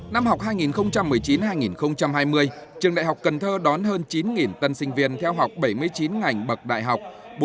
năm học hai nghìn một mươi chín hai nghìn hai mươi trường đại học cần thơ đón hơn chín tân sinh viên theo học bảy mươi chín ngành bậc đại học